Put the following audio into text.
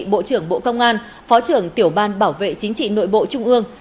bộ trưởng bộ công an phó trưởng tiểu ban bảo vệ chính trị nội bộ trung ương